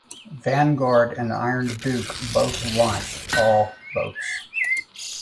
"Vanguard" and "Iron Duke" both launched all boats.